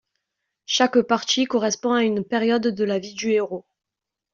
Chaque partie correspond à une période de la vie du héros.